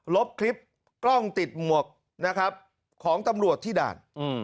ลบคลิปกล้องติดหมวกนะครับของตำรวจที่ด่าน